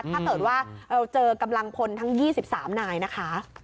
ถ้าเกิดว่าเราเจอกำลังพลทั้ง๒๓นายนะคะ